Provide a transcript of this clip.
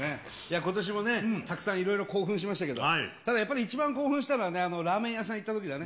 ことしもね、たくさんいろいろ興奮しましたけど、ただやっぱり一番興奮したのはね、ラーメン屋さん行ったときだね。